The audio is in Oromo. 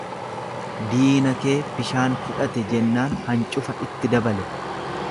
Diina kee bishaan fudhate jennaan hancufa itti dabale.